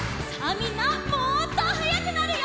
みんなもっとはやくなるよ。